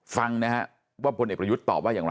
ฟังนะฮะว่าพลเอกประยุทธ์ตอบว่าอย่างไร